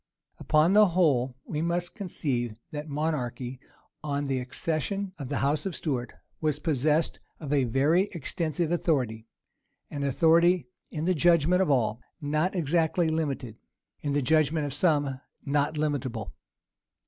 [*]* Rymer, tom. xviii. p. 117, 594. Upon the whole, we must conceive that monarchy, on the accession of the house of Stuart, was possessed of a very extensive authority: an authority, in the judgment of all, not exactly limited; in the judgment of some, not limitable.